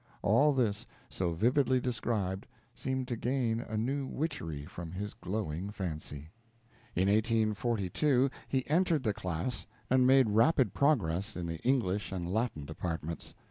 All this, so vividly described, seemed to gain a new witchery from his glowing fancy. In 1842 he entered the class, and made rapid progress in the English and Latin departments.